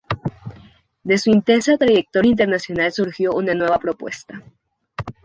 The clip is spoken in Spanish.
De su intensa trayectoria internacional surgió una nueva propuesta.